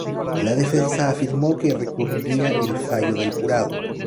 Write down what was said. La defensa afirmó que recurriría el fallo del jurado.